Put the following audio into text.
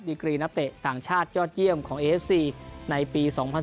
กรีนักเตะต่างชาติยอดเยี่ยมของเอฟซีในปี๒๐๑๙